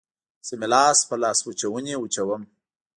زه مې لاس په لاسوچوني وچوم